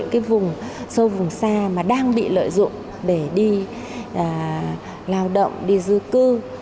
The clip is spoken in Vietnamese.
cái vùng sâu vùng xa mà đang bị lợi dụng để đi lao động đi du cư